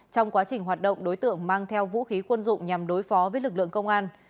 trong quá trình hoạt động đối tượng mang theo vũ khí quân dụng nhằm đối phó với lực lượng công an